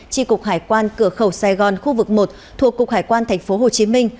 tri cục hải quan cửa khẩu sài gòn khu vực một thuộc cục hải quan tp hcm